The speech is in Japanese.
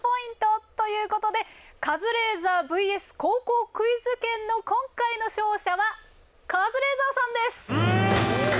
ということで「カズレーザーｖｓ．高校クイズ研」の今回の勝者はカズレーザーさんです！